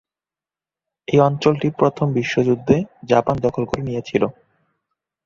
এই অঞ্চলটি প্রথম বিশ্বযুদ্ধে জাপান দখল করে নিয়েছিল।